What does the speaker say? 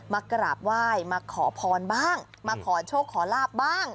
มากราบไหว้มาขอพรบ้างมาขอโชคขอลาบบ้าง